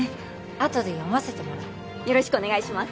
あとで読ませてもらうよろしくお願いします